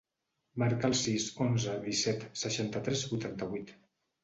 Marca el sis, onze, disset, seixanta-tres, vuitanta-vuit.